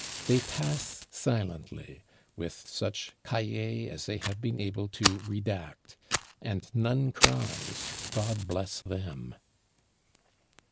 They pass silently, with such Cahiers as they have been able to redact; and none cries, God bless them.